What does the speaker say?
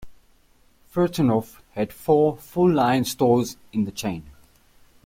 Fortunoff had four full-line stores in the chain.